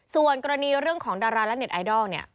ส่วนกรณีเรื่องของดาราและเน็ตไอดอลเนี่ย